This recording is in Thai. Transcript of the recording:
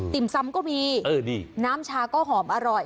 ่มซ้ำก็มีน้ำชาก็หอมอร่อย